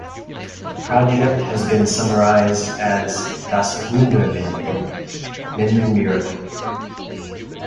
The project has been summarized as "Das Wunder Minden" (Minden Miracle).